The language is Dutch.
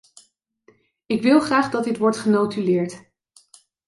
Ik wil graag dat dit wordt genotuleerd.